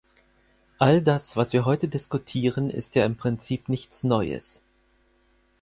All das, was wir heute diskutieren, ist ja im Prinzip nichts Neues.